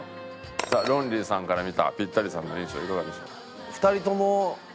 さあロンリーさんから見たピッタリさんの印象いかがでしょう？